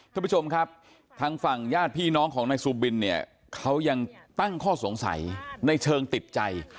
ท่านผู้ชมครับทางฝั่งญาติพี่น้องของนายซูบินเนี่ยเขายังตั้งข้อสงสัยในเชิงติดใจ